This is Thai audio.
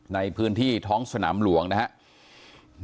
ในพื้นที่ท้องสนามหลวงนะครับ